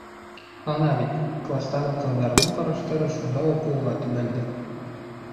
Ана бит, кластағы ҡыҙҙарҙың ҡараштары шунда уҡ уға төбәлде.